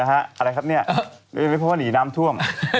อะไรครับเนี่ยเพราะว่าหนีน้ำท่วม